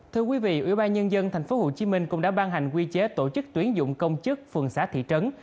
thưa quý vị ủy ban nhân dân tp hcm cũng đã ban hành quy chế tổ chức tuyển dụng công chức phường xã thị trấn